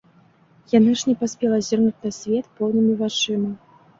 Яна ж не паспела зірнуць на свет поўнымі вачыма.